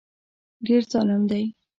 ډېر ظالم دی.